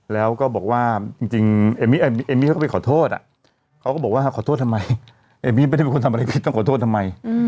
แล้วก็บอกว่าจริงเอมมี่เขาก็ไปขอโทษเขาก็บอกว่าขอโทษทำไมเอมมี่ไม่ได้เป็นคนทำอะไรผิดต้องขอโทษทำไม